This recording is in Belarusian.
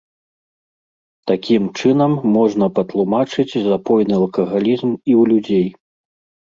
Такім чынам можна патлумачыць запойны алкагалізм і ў людзей.